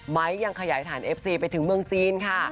ยังขยายฐานเอฟซีไปถึงเมืองจีนค่ะ